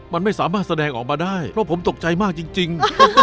มันไม่สามารถแสดงออกมาได้เพราะผมตกใจมากจริง